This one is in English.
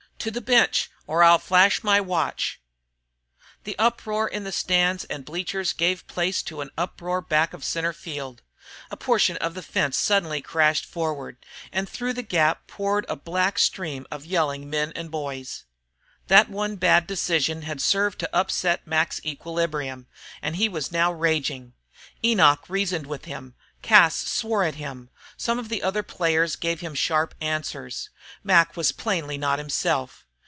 To the bench or I'll flash my watch!" The uproar in the stands and bleachers gave place to an uproar back of centre field. A portion of fence suddenly crashed forward, and through the gap poured a black stream of yelling boys and men. That one bad decision had served to upset Mac's equilibrium, and he was now raging. Enoch reasoned with him, Cas swore at him, some of the other players gave him sharp answers. Mac was plainly not himself.